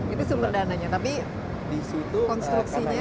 itu sumber dananya tapi konstruksinya